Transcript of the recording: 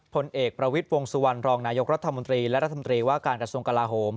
ผลเอกประวิทย์วงสุวรรณรองนายกรัฐมนตรีและรัฐมนตรีว่าการกระทรวงกลาโหม